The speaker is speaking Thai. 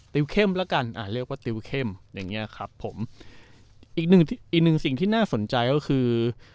เข้มแล้วกันอ่าเรียกว่าติวเข้มอย่างเงี้ยครับผมอีกหนึ่งอีกหนึ่งสิ่งที่น่าสนใจก็คือ